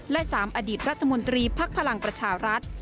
และ๓อดีตรัฐมนตรีภักดิ์พลังประชารัฐ